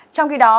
trong khi đó